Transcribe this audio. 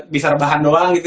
bisa rebahan doang